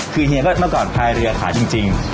คือเฮียก็เมื่อก่อนพายเรือขายจริง